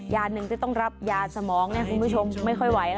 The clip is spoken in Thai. ยานึงจะต้องรับยาสมองเนี่ยคุณผู้ชมไม่ค่อยไหว